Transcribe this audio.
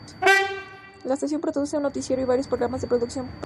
La estación produce un noticiero y varios programas de producción propia.